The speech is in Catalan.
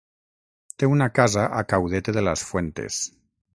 Té una casa a Caudete de las Fuentes.